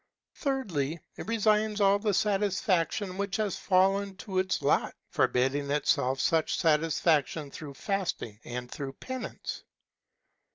Thirdly, it resigns all the satisfaction which has fallen to its lot, forbidding itself such satisfaction through fasting and through penance.